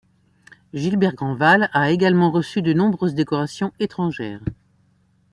Gilbert Grandval a également reçu de nombreuses décorations étrangères.